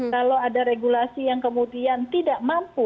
kalau ada regulasi yang kemudian tidak mampu